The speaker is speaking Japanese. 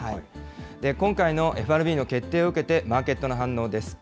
今回のＦＲＢの決定を受けて、マーケットの反応です。